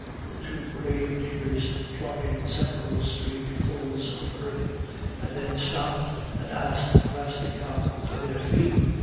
The two grave diggers flung in several spadefuls of earth, and then stopped and asked Rastignac for their fee.